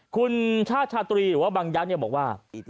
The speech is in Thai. คุณชาติชาตรีหรือว่าบังยักษ์บอกว่า